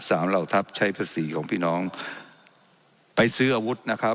เหล่าทัพใช้ภาษีของพี่น้องไปซื้ออาวุธนะครับ